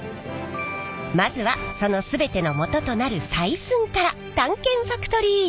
まずはその全てのもととなる「採寸」から探検ファクトリー！